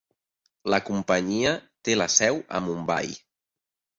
La companyia té la seu a Mumbai.